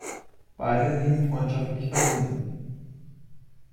Beide blieben freundschaftlich verbunden.